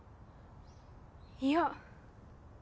いや